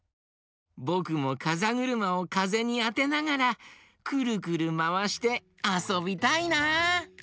ぼくもかざぐるまをかぜにあてながらくるくるまわしてあそびたいな！